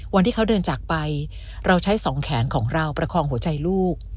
วันที่เขาเดินจากไปเราใช้สองแขนของเราประคองหัวใจลูก